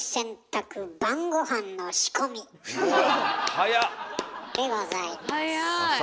早っ！でございます。